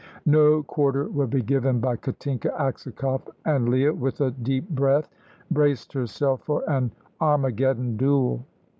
No quarter would be given by Katinka Aksakoff, and Leah, with a deep breath, braced herself for an Armageddon duel.